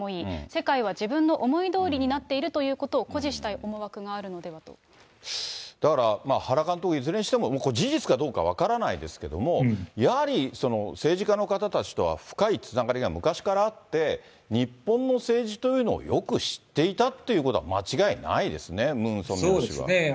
世界は自分の思いどおりになっているということを誇示したい思惑だから原監督、いずれにしても、事実かどうか分からないですけれども、やはり政治家の方たちとは深いつながりが昔からあって、日本の政治というのをよく知っていたっていうことは間違いないでそうですね。